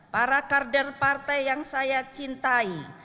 para kader partai yang saya cintai